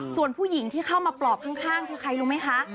ส่วนผู้หญิงที่เข้ามาปลอบข้างคือใครรู้ไหมคะ